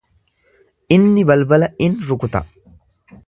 Inni balbala in rukuta.